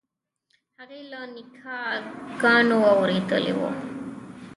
هغې له نیکه ګانو اورېدلي وو.